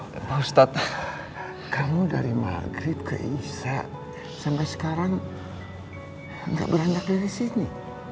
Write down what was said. bapak ustadz kamu dari maghrib ke isya' sampai sekarang gak beranjak dari sini